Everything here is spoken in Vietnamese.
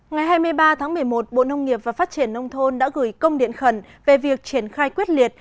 ngày hai mươi ba tháng một mươi một bộ nông nghiệp và phát triển nông thôn đã gửi công điện khẩn về việc triển khai quyết liệt